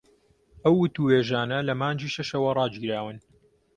ئەو وتووێژانە لە مانگی شەشەوە ڕاگیراون